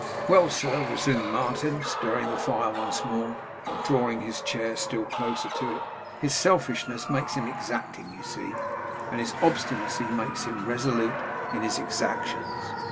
'Well, sir,' resumed Martin, stirring the fire once more, and drawing his chair still closer to it, 'his selfishness makes him exacting, you see; and his obstinacy makes him resolute in his exactions.